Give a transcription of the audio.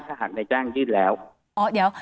ถ้าหากในจ้างยื่นแล้ว